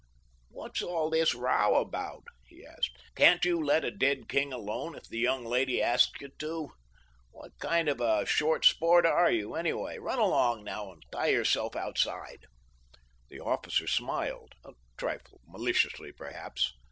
"What's all this row about?" he asked. "Can't you let a dead king alone if the young lady asks you to? What kind of a short sport are you, anyway? Run along, now, and tie yourself outside." The officer smiled, a trifle maliciously perhaps.